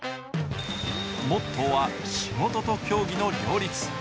モットーは仕事と競技の両立。